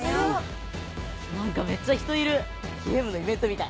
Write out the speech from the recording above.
何かめっちゃ人いるゲームのイベントみたい。